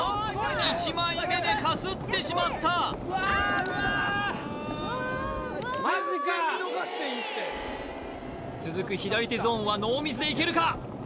１枚目でかすってしまった続く左手ゾーンはノーミスでいけるか？